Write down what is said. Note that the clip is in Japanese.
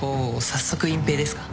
早速隠蔽ですか。